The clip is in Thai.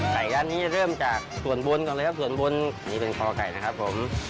ร้านนี้เริ่มจากส่วนบนก่อนเลยครับส่วนบนนี่เป็นคอไก่นะครับผม